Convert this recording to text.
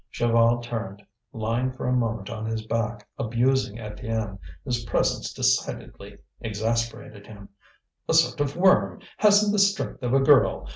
Chaval turned, lying for a moment on his back, abusing Étienne, whose presence decidedly exasperated him. "A sort of worm; hasn't the strength of a girl!